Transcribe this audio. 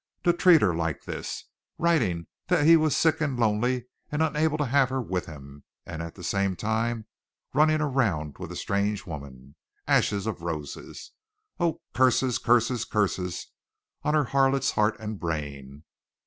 To treat her like this! Writing that he was sick and lonely and unable to have her with him, and at the same time running around with a strange woman. "Ashes of Roses!" Oh, curses, curses, curses on her harlot's heart and brain!